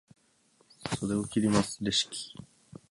袖を切ります、レシキ。